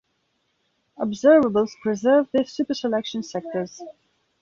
Observables preserve the superselection sectors.